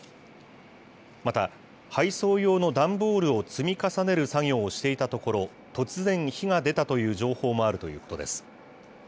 また、配送用の段ボールを積み重ねる作業をしていたところ、突然火が出たという情報もあるということです。